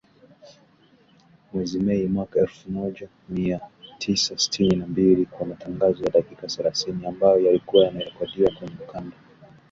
Mwezi Mei mwaka elfu moya mia tisa sitini na mbili kwa matangazo ya dakika thelathini ambayo yalikuwa yamerekodiwa kwenye ukanda